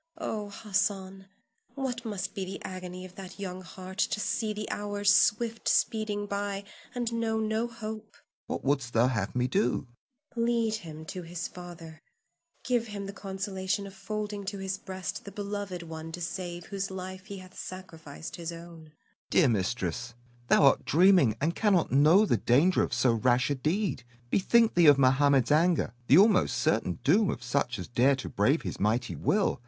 Oh, Hassan, what must be the agony of that young heart to see the hours swift speeding by, and know no hope. Hassan. What wouldst thou have me do? Zuleika. Lead him to his father; give him the consolation of folding to his breast the beloved one to save whose life he hath sacrificed his own. Hassan. Dear mistress, thou art dreaming, and cannot know the danger of so rash a deed. Bethink thee of Mohammed's anger, the almost certain doom of such as dare to brave his mighty will.